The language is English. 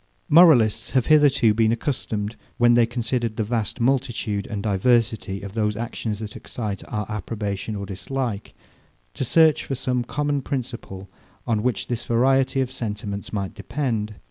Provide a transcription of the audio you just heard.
Moralists have hitherto been accustomed, when they considered the vast multitude and diversity of those actions that excite our approbation or dislike, to search for some common principle, on which this variety of sentiments might depend.